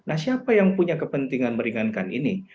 nah siapa yang punya kepentingan meringankan ini